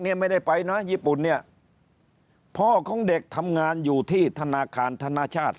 ไม่ได้ไปนะญี่ปุ่นเนี่ยพ่อของเด็กทำงานอยู่ที่ธนาคารธนชาติ